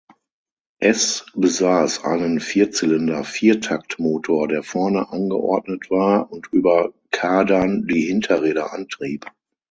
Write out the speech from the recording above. Es besaß einen Vierzylinder-Viertaktmotor, der vorne angeordnet war und über Kardan die Hinterräder antrieb.